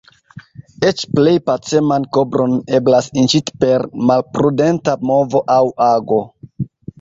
Eĉ plej paceman kobron eblas inciti per malprudenta movo aŭ ago.